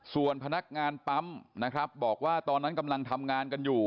ส่วนพนักงานปั๊มนะครับบอกว่าตอนนั้นกำลังทำงานกันอยู่